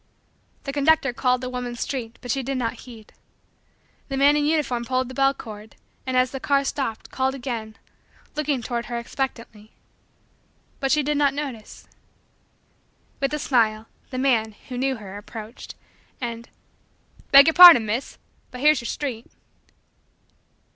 The conductor called the woman's street but she did not heed. The man in uniform pulled the bell cord and, as the car stopped, called again, looking toward her expectantly. But she did not notice. With a smile, the man, who knew her, approached, and: "Beg your pardon Miss, but here's your street."